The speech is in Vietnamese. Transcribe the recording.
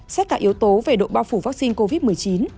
xét cả yếu tố về độ bao phủ vaccine covid một mươi chín